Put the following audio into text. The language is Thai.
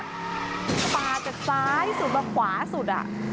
ปาดจากซ้ายสุดมาขวาสุด